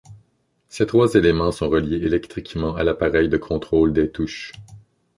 Ces trois éléments sont reliés électriquement à l’appareil de contrôle des touches.